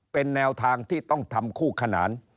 เป็นแนวทางที่ต้องทำคู่ขนาน